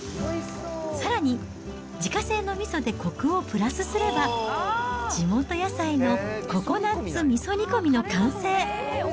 さらに、自家製のみそでこくをプラスすれば、地元野菜のココナッツ味噌煮込みの完成。